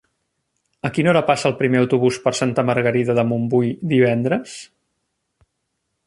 A quina hora passa el primer autobús per Santa Margarida de Montbui divendres?